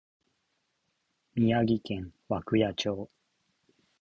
宮城県涌谷町